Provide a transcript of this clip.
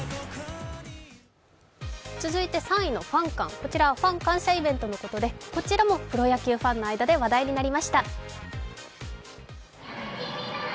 続いて３位のファン感、こちら、ファン感謝イベントのことでこちらもプロ野球ファンの間で話題になりました。